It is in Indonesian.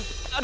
eh eh eh awas